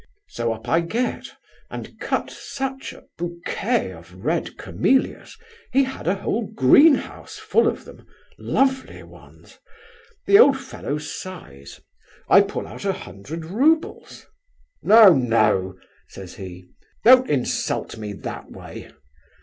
So up I get, and cut such a bouquet of red camellias! He had a whole greenhouse full of them—lovely ones. The old fellow sighs. I pull out a hundred roubles. 'No, no!' says he, 'don't insult me that way.